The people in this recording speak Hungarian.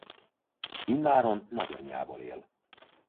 Immáron nagyanyjával él.